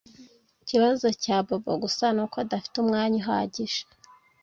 Ikibazo cya Bobo gusa ni uko adafite umwanya uhagije